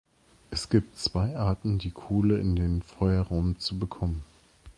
Es gibt zwei Arten, die Kohle in den Feuerraum zu bekommen.